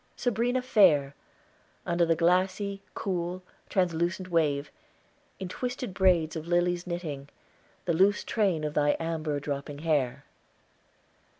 'Sabrina fair, Under the glassy, cool, translucent wave, In twisted braids of lilies knitting The loose train of thy amber dropping hair.'"